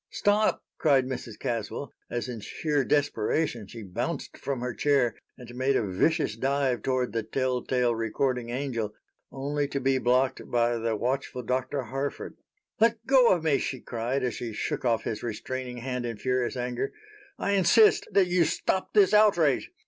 "Stop!" cried Mrs. Caswell, as in sheer desperation she bounced from her chair and made a vicious dive toward the tell tale recording angel, only to be blocked by the watchful Dr. Harford. "Let go of me," she cried, as she shook off his restraining hand in furious anger. "I insist that you stop this outrage.